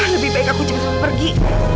lebih baik aku cip tasun pergi